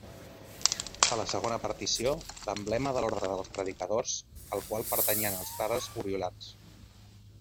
A la segona partició, l'emblema de l'orde dels Predicadors, al qual pertanyien els frares oriolans.